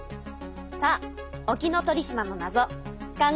さあ沖ノ鳥島のなぞ考えて。